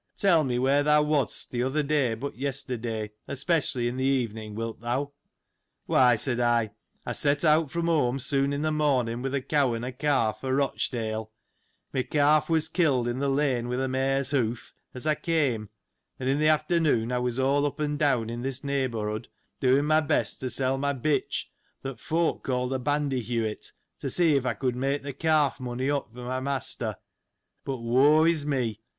Tell me where thou wast, the other day but yesterday, especially in the evening, wilt thou ? Why, said I, I set out from home, soon in the morning, with a cow and calf, for Roch dale ; my calf was killed, in the lane, with a mare's hoof, as I came ; and in the afternoon, I was all up and down, in this neighbourhood, doing my best to sell my bitch, that folk called a bandyhewit, to see if I could make the calf money up, for my master : but, woe is me